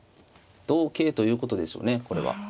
同桂ということでしょうねこれは。